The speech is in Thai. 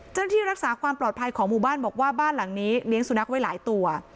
ที่รักษาความปลอดภัยของหมู่บ้านบอกว่าบ้านหลังนี้เลี้ยงสุนัขไว้หลายตัว